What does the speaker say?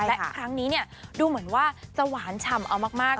และครั้งนี้ดูเหมือนว่าจะหวานฉ่ำเอามาก